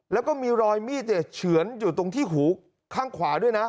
แล้วก็มีรอยมีดเฉือนอยู่ตรงที่หูข้างขวาด้วยนะ